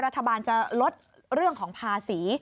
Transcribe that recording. รัฐบาลจะลดเรื่องของภาษี